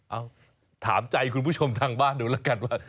เอาถามใจคุณผู้ชมทางบ้านดูแล้วกันว่า